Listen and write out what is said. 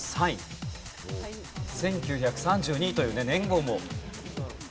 「１９３２」というね年号も。